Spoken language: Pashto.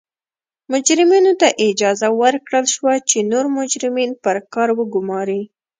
مجرمینو ته اجازه ورکړل شوه چې نور مجرمین پر کار وګوماري.